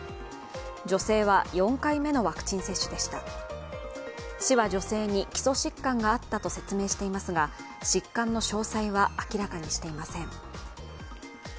女性は４回目のワクチン接種でした市は女性に基礎疾患があったと説明していますが、疾患の詳細は明らかにしていません。